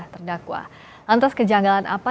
terdakwa lantas kejanggalan apa